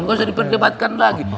nggak usah diperdebatkan lagi